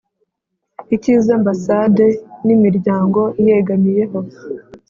icy’izambasade n’imiryango iyegamiyeho